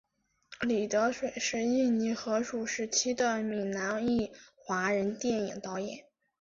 李德水是印尼荷属时期的闽南裔华人电影导演。